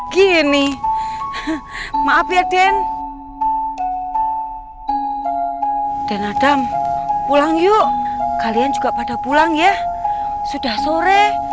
gini maaf yaden adam pulang yuk kalian juga pada pulang ya sudah sore